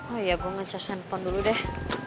oh ya gue ngecas handphone dulu deh